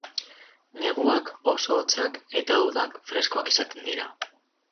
Neguak oso hotzak eta udak freskoak izaten dira.